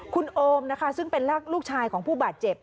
คุณโอมนะคะซึ่งเป็นลูกชายของผู้บาดเจ็บ